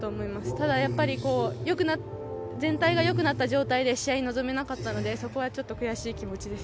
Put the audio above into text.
ただ、やっぱり全体が良くなった状態で試合に臨めなかったのでそこはちょっと悔しい気持ちです。